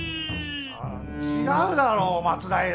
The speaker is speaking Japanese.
違うだろう松平！